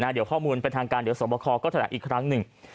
เดี๋ยวข้อมูลเป็นทางการเดี๋ยวสวบคอก็แถลงอีกครั้งหนึ่ง